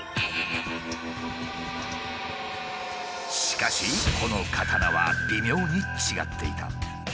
しかしこの刀は微妙に違っていた。